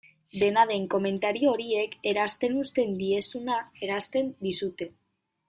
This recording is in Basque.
Dena den, komentario horiek erasaten uzten diezuna erasaten dizute.